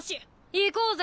行こうぜ。